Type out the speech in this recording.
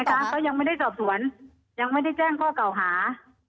ถูกไหมคะเขายังไม่ได้สอบส่วนยังไม่ได้แจ้งข้อเก่าหาอ่า